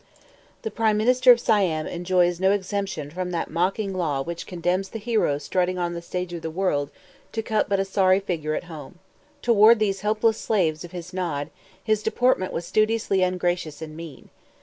The prime minister of Siam enjoys no exemption from that mocking law which condemns the hero strutting on the stage of the world to cut but a sorry figure at home. Toward these helpless slaves of his nod his deportment was studiously ungracious and mean.